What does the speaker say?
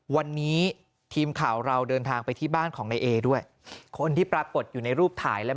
วันนี้ทีมข่าวเราเดินทางไปที่บ้านของนายเอด้วยคนที่ปรากฏอยู่ในรูปถ่ายและ